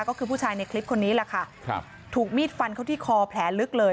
ก็คือผู้ชายในคลิปคนนี้แหละค่ะครับถูกมีดฟันเขาที่คอแผลลึกเลย